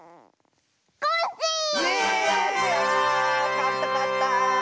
かったかった！